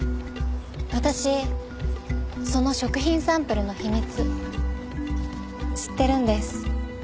私その食品サンプルの秘密知ってるんです。